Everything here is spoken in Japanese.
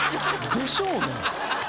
でしょうね。